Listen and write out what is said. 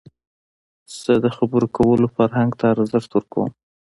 زه د خبرو کولو فرهنګ ته ارزښت ورکوم.